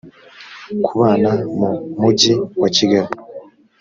ku bana mu mujyi wa kigali